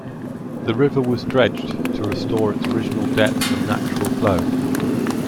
The river was dredged to restore its original depth and natural flow.